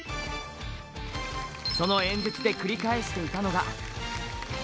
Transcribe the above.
その演説で繰り返していたのが。